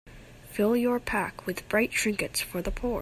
Fill your pack with bright trinkets for the poor.